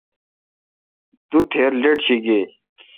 دو تھیر لیٹ شی گے۔